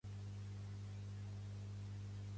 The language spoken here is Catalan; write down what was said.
A més, Nelson és membre de la Phi Beta Kappa Society.